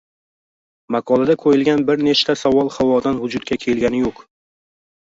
maqolada qo‘yilgan bir nechta savol havodan vujudga kelgani yo‘q